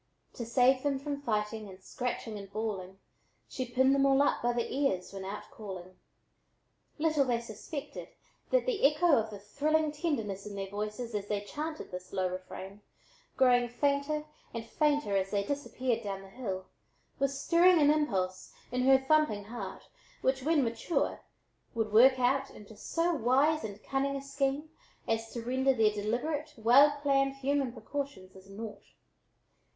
To save them from fighting and scratching and bawling, She pinned them all up by the ears when out calling. Little they suspected that the echo of the thrilling tenderness in their voices as they chanted this low refrain, growing fainter and fainter as they disappeared down the hill, was stirring an impulse in her thumping heart, which when mature, would work out into so wise and cunning a scheme as to render their deliberate, well planned human precautions as naught.